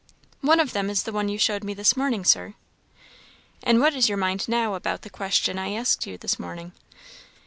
"One of them is the one you showed me this morning, Sir." "And what is your mind now about the question I asked you this morning?"